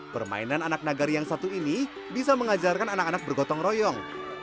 permainan anak nagari yang satu ini bisa mengajarkan anak anak bergotong royong